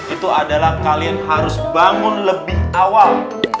itu adalah kalian harus bangun lebih awal